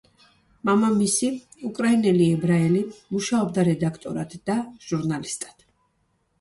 მამამისი, უკრაინელი ებრაელი, მუშაობდა რედაქტორად და ჟურნალისტად.